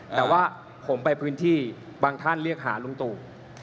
แต่ว่าผมไปพื้นที่บางท่านเรียกหาลุงตู่